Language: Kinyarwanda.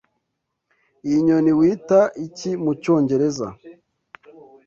Iyi nyoni wita iki mucyongereza?